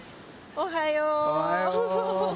・おはよう！